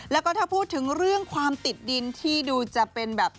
แล้วก็ถ้าพูดถึงเรื่องความติดดินที่ดูจะเป็นแบบ